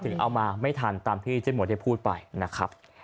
เอามาไม่ทันตามที่เจ๊หมวยได้พูดไปนะครับ